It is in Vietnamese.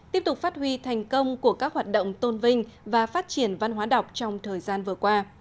tiếp tục phát huy thành công của các hoạt động tôn vinh và phát triển văn hóa đọc trong thời gian vừa qua